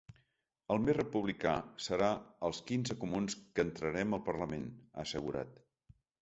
El més republicà seran els quinze comuns que entrarem al Parlament, ha assegurat.